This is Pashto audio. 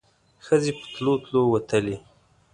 ښځې په تلو تلو وتلې.